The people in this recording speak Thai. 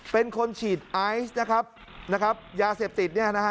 เป็นคนฉีดไอซ์นะครับยาเสพติด